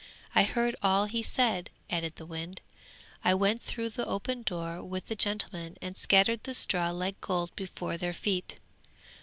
I heard all he said,' added the wind. 'I went through the open door with the gentlemen and scattered the straw like gold before their feet.